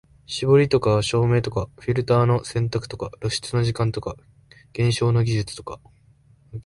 絞りとか照明とかフィルターの選択とか露出の時間とか現像の技術とか、